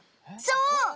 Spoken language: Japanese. そう！